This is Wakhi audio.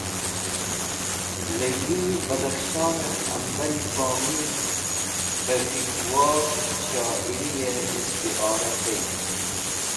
Lali Badakhshon et Ambari Pomiri be K̃hikwor Shoiriye Istiora tey.